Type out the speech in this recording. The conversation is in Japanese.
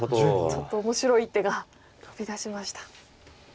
ちょっと面白い一手が飛び出しました。